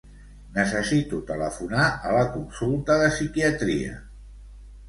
Necessito telefonar a la consulta de psiquiatria.